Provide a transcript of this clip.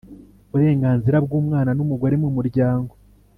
uburenganzira bw’umwana n’umugore mumuryango